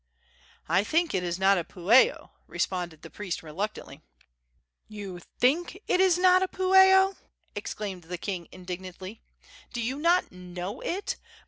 "I think it is not a pueo," responded the priest, reluctantly. "You think it is not a pueo!" exclaimed the king, indignantly. "Do you not know it?